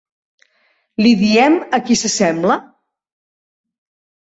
Li diem a qui s'assembla?